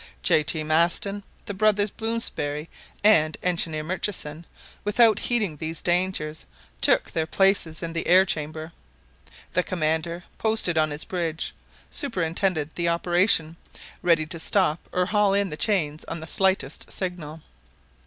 J. T. Maston, the brothers Blomsberry, and Engineer Murchison, without heeding these dangers, took their places in the air chamber. The commander, posted on his bridge, superintended the operation, ready to stop or haul in the chains on the slightest signal.